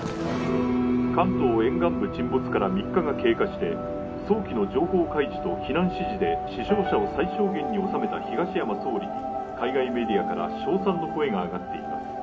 関東沿岸部沈没から３日が経過して早期の情報開示と避難指示で死傷者を最小限に収めた東山総理に海外メディアから称賛の声が上がっています